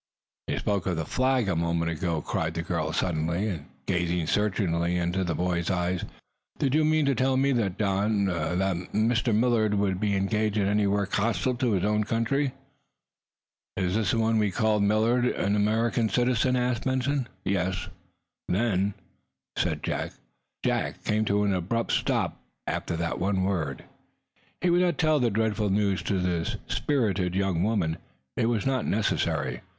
"You spoke of the Flag a moment ago," cried the girl, suddenly, and gazing searchingly into the boy's eyes. "Do you mean to tell me that Don that Mr. Millard would be engaged in any work hostile to his own country?" "Is the one we call Millard an American citizen?" asked Benson. "Yes." "Then " Jack came to an abrupt stop after that one word. He would not tell the dreadful news to this spirited young woman. It was not necessary.